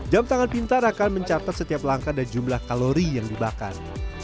jam tangan pintar akan mencatat setiap langkah dan jumlah kalori yang dibakar